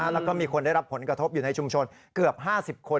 แล้วก็มีคนได้รับผลกระทบอยู่ในชุมชนเกือบ๕๐คน